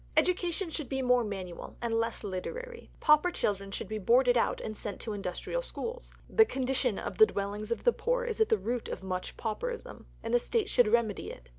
Education should be more manual, and less literary. Pauper children should be boarded out and sent to industrial schools. The condition of the dwellings of the poor is at the root of much pauperism, and the State should remedy it.